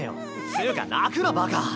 つぅか泣くなバカ。